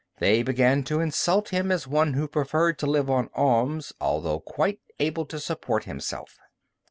They began to insult him as one who preferred to live on alms, although quite able to support himself.